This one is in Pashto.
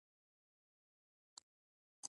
کله چې موږ بېرته خپل کور ته راغلو.